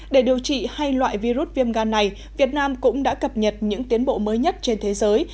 để điều trị hai loại virus viêm gan này việt nam cũng đã cập nhật những tiến bộ mới nhất trên thế giới